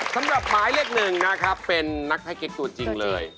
สำหรับหมายเลขหนึ่งนะครับเป็นนักไทยเก๊กตัวจริงเลย